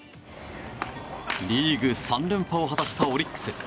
リーグ３連覇を果たしたオリックス。